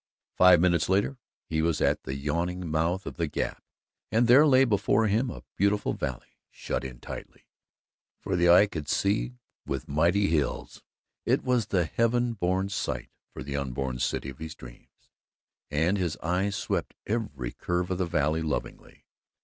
Five minutes later he was at the yawning mouth of the gap and there lay before him a beautiful valley shut in tightly, for all the eye could see, with mighty hills. It was the heaven born site for the unborn city of his dreams, and his eyes swept every curve of the valley lovingly.